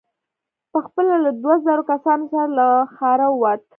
په خپله له دوو زرو کسانو سره له ښاره ووت.